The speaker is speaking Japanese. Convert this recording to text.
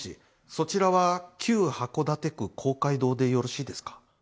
そちらは旧函館区公会堂でよろしいですか。